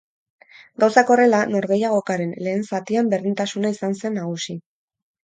Gauzak horrela, norgehiagokaren lehen zatian berdintasuna izan zen nagusi.